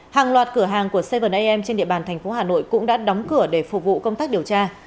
hàng loạt cửa hàng của seven am trên địa bàn thành phố hà nội cũng đã đóng cửa để phục vụ công tác điều tra